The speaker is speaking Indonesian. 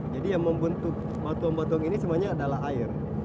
jadi yang membentuk batuan batuan ini sebenarnya adalah air